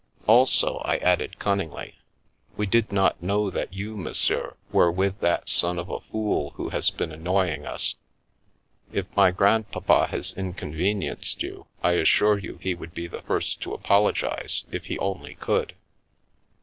" Also," I added cunningly, " we did not know that you, monsieur, were with that son of a fool who has been annoying us. If my grandpapa has inconvenienced you I assure you he would be the first to apologise if he only could.